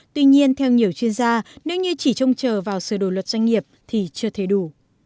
tuy nhiên theo nhiều chuyên gia nếu như chỉ trông chờ vào sửa đổi luật doanh nghiệp thì chưa thấy đủ